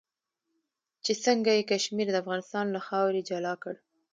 چې څنګه یې کشمیر د افغانستان له خاورې جلا کړ.